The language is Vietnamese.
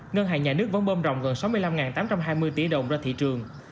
ngân hàng nhà nước vẫn bơm rồng gần sáu mươi năm tám trăm hai mươi tỷ đồng ra thị trường